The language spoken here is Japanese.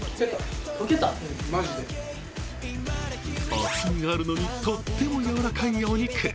厚みがあるのにとっても柔らかいお肉。